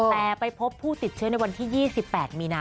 แต่ไปพบผู้ติดเชื้อในวันที่๒๘มีนา